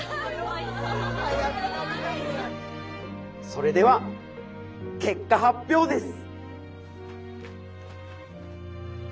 それでは結果発表です。